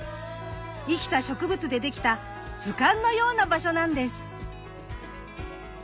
生きた植物でできた図鑑のような場所なんです。